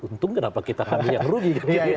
untung kenapa kita harus yang rugi